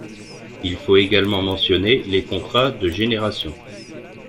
Il faut également mentionner les contrats de génération.